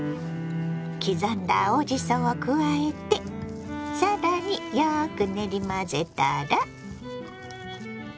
刻んだ青じそを加えて更によく練り混ぜたら。